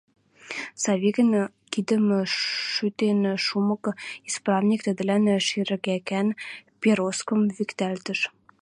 Савикӹн кидӹм шӱтен шумыкы, исправник тӹдӹлӓн шергӓкӓн пероскым виктӓлтӹш.